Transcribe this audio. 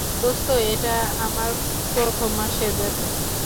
দোস্ত, এটা আমার প্রথম মাসের বেতন।